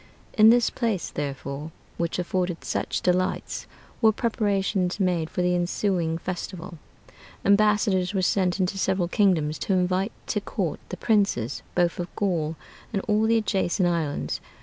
In this place, therefore, which afforded such delights, were preparations made for the ensuing festival. Ambassadors were sent into several kingdoms to invite to court the princes both of Gaul and all the adjacent islands